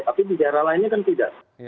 tapi di daerah lainnya kan tidak